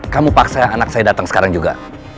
kamu paksa anak saya datang sekarang juga